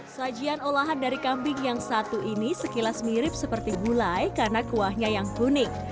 sajian olahan dari kambing yang satu ini sekilas mirip seperti gulai karena kuahnya yang kuning